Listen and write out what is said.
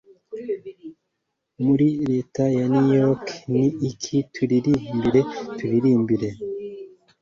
Muri leta ya New York, ni iki Turirimbire Turirimbire?